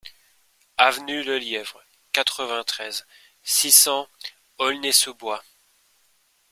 Avenue Lelièvre, quatre-vingt-treize, six cents Aulnay-sous-Bois